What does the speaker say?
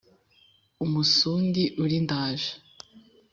umusundi uri ndaje •